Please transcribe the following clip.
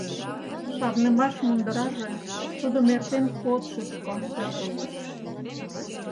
Шарнымаш мундыраже тудым эртен кодшышко пӧртылтыш.